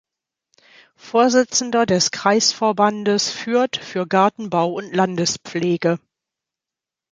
Vorsitzender des Kreisverbandes Fürth für Gartenbau- und Landespflege.